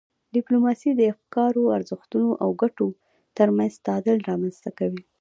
ډیپلوماسي د افکارو، ارزښتونو او ګټو ترمنځ تعادل رامنځته کوي.